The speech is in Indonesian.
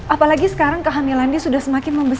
apalagi sekarang kehamilannya sudah semakin membesar